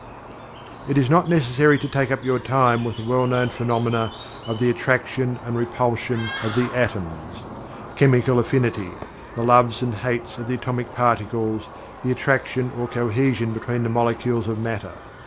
It is not necessary to take up your time with the well known phenomena of the "attraction and repulsion" of the atoms; chemical affinity; the "loves and hates" of the atomic particles; the attraction or cohesion between the molecules of matter.